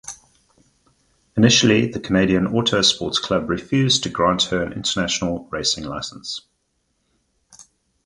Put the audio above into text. Initially the Canadian Auto Sports Club refused to grant her an international racing license.